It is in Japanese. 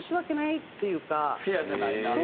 フェアじゃないなとか。